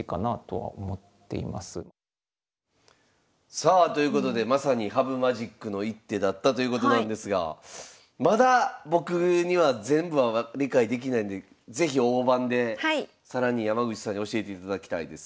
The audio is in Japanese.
さあということでまさに羽生マジックの一手だったということなんですがまだ僕には全部は理解できないんで是非大盤で更に山口さんに教えていただきたいです。